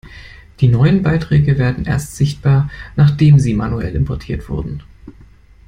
Die neuen Beiträge werden erst sichtbar, nachdem sie manuell importiert wurden.